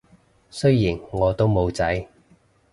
雖然我都冇仔